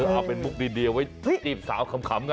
เอาเป็นมุกดีเอาไว้จีบสาวขำนะ